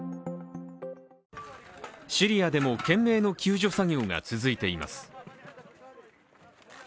シリアでも懸命の救助作業が続いています。